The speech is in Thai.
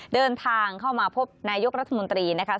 เดินทางเข้ามาพบนายกรัฐมนตรีนะคะ